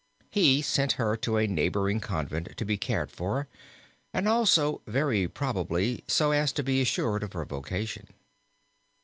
He sent her to a neighboring convent to be cared for, and also very probably so as to be assured of her vocation.